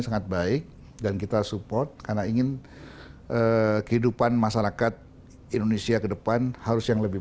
sangat baik dan kita support karena ingin kehidupan masyarakat indonesia ke depan harus yang lebih